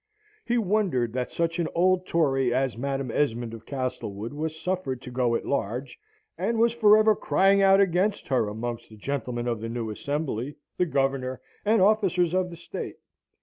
He wondered that such an old Tory as Madam Esmond of Castlewood was suffered to go at large, and was for ever crying out against her amongst the gentlemen of the new Assembly, the Governor, and officers of the State.